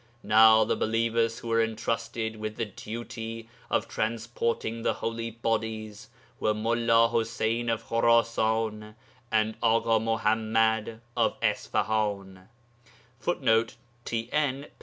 Now the believers who were entrusted with the duty of transporting the holy bodies were Mullā Ḥuseyn of Khurasan and Aḳa Muḥammad of Isfahan, [Footnote: TN, p.